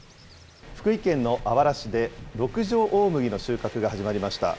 福井県のあわら市で六条大麦の収穫が始まりました。